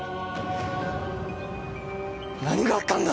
「何があったんだ！？」